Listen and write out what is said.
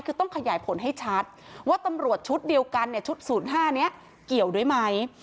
คือต้องขยายผลให้ชัดว่าตำรวจชุดเดียวกันเนี่ยชุด๐๕นี้เกี่ยวด้วยไหม